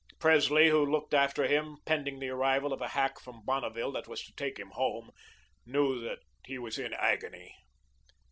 Presley, who looked after him, pending the arrival of a hack from Bonneville that was to take him home, knew that he was in agony.